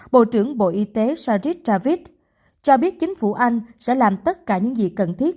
bộ trưởng bộ y tế sharid travis cho biết chính phủ anh sẽ làm tất cả những gì cần thiết